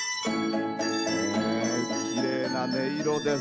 きれいな音色です。